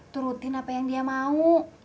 turutin apa yang dia mau